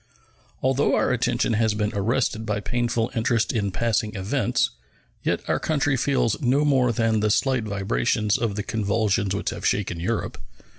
Although our attention has been arrested by painful interest in passing events, yet our country feels no more than the slight vibrations of the convulsions which have shaken Europe.